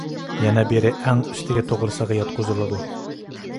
يەنە بىرى ئەڭ ئۈستىگە توغرىسىغا ياتقۇزۇلىدۇ.